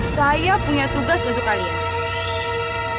saya punya tugas untuk kalian